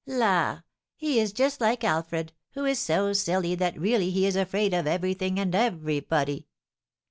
"La! He is just like Alfred, who is so silly that really he is afraid of everything and everybody!"